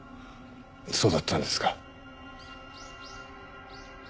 そうだったんですか。